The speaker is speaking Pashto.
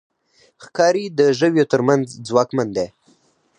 ښکاري د ژويو تر منځ ځواکمن دی.